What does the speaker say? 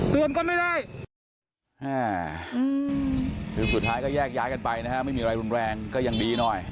ก็ไม่ได้คือสุดท้ายก็แยกย้ายกันไปนะฮะไม่มีอะไรรุนแรงก็ยังดีหน่อย